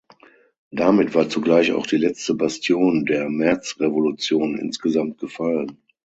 Damit war zugleich auch die letzte Bastion der Märzrevolution insgesamt gefallen.